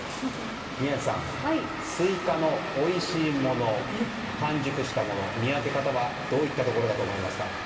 宮司さん、スイカのおいしいもの完熟したもの、見分け方はどういったところだと思いますか。